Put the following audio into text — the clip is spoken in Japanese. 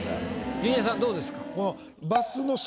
ジュニアさんどうですか？